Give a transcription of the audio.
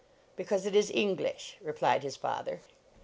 " Because it is English," replied his father.